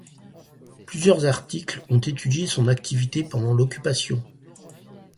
Plusieurs articles ont étudié son activité pendant l'Occupation.